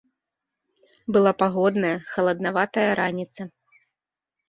Была пагодная, халаднаватая раніца.